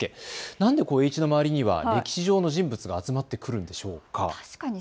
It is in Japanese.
なんで栄一の周りには歴史上の人物が集まってくるんでしょうか。